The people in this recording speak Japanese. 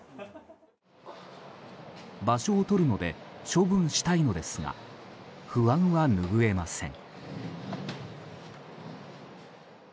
場所をとるので処分したいのですが不安は拭えません。